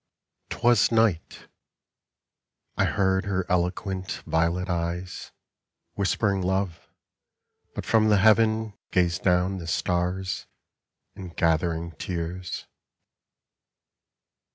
30 Apparition *Twas night ; I heard her eloquent violet eyes Whispering love, but from the heaven Gazed down the stars in gathering tears.